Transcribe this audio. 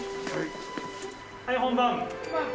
・はい本番！